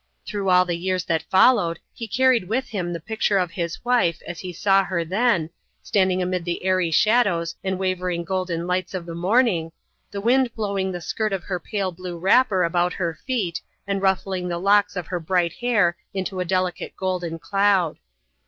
Through all the years that followed he carried with him the picture of his wife as he saw her then, standing amid the airy shadows and wavering golden lights of the morning, the wind blowing the skirt of her pale blue wrapper about her feet and ruffling the locks of her bright hair into a delicate golden cloud.